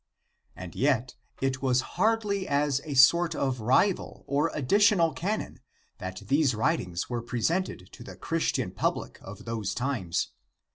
And yet it was hardly as a sort of rival or additional canon that these writings were presented to the Christian public of those times.